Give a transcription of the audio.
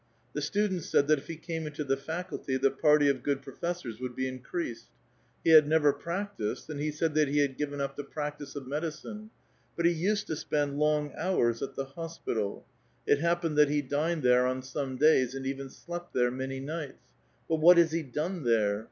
The students said that if he came into the faculty, the party of good professors would be increased. He had never practised, and he said that he had given up the prac tice of medicine. But he used to spend long hours at the hospital ; it happened that he dined there on some days, and even slept there man^' nights. But what has he done there